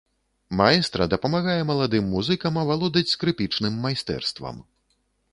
Маэстра дапамагае маладым музыкам авалодаць скрыпічным майстэрствам.